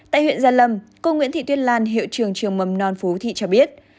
tại huyện gia lâm cô nguyễn thị tuyết lan hiệu trường trường mầm non phú thị cho biết